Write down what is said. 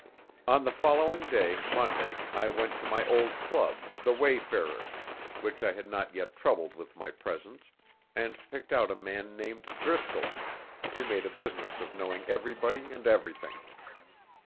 On the following day, Monday, I went to my old club, the Wayfarers, which I had not yet troubled with my presence, and picked out a man named Driscoll, who made a business of knowing everybody and everything.